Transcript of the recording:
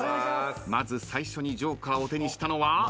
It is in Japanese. まず最初にジョーカーを手にしたのは？